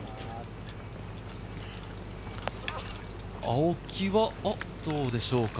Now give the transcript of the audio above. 青木はどうでしょうか。